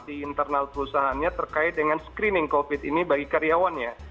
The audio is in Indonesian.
di internal perusahaannya terkait dengan screening covid ini bagi karyawannya